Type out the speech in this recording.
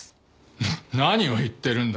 フフ何を言ってるんだ。